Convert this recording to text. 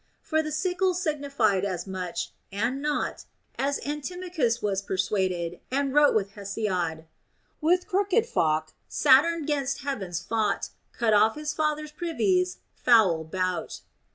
For the sickle signified as much, and not, as Antimachus was persuaded and wrote with Hesiod, — With crooked falk Saturn 'gainst heavens fought, Cut off his father's privities, foul bout.